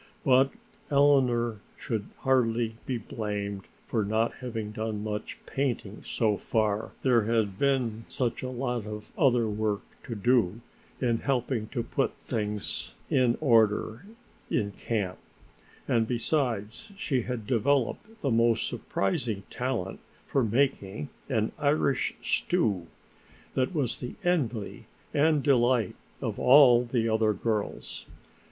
But Eleanor should hardly be blamed for not having done much painting so far, there, had been such a lot of other work to do, in helping to put things in order in camp, and besides she had developed the most surprising talent for making an Irish stew, that was the envy and delight of all the other girls.